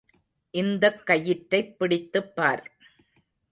இந்தக் கயிற்றைப் பிடித்துப்பார்.